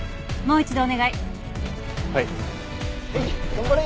頑張れ。